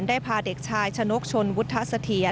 ได้พาเด็กชายชนกชนวุฒสธิ